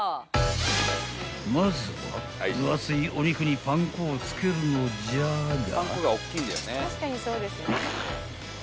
［まずは分厚いお肉にパン粉を付けるのじゃが］